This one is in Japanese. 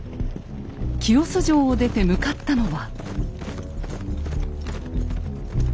清須城を出て向かったのは。